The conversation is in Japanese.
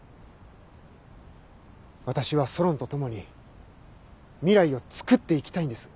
私はソロンと共に未来を創っていきたいんです。